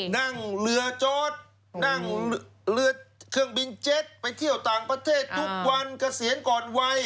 นั่งเรือจอดนั่งเรือเครื่องบินเจ็ตไปเที่ยวต่างประเทศทุกวันเกษียณก่อนวัย